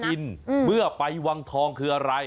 เมื่อไปวังทองคืออะไร